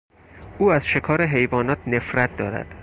او از شکار حیوانات نفرت دارد.